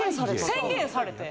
宣言されて。